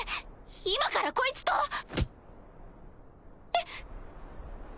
今からこいつとエくっ！